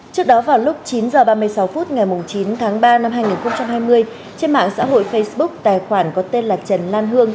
trước đó vào lúc chín h ba mươi sáu phút ngày chín tháng ba năm hai nghìn hai mươi trên mạng xã hội facebook tài khoản có tên là trần lan hương